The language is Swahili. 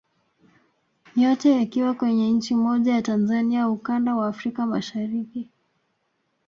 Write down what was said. Yote yakiwa kwenye nchi moja ya Tanzania ukanda wa Afrika Mashariki